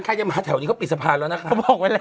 ใครจะมาแถวนี้เขาปิดสะพานแล้วนะคะ